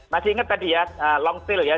masih inget tadi ya long tail ya